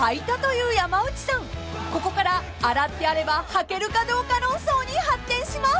［ここから洗ってあればはけるかどうか論争に発展します］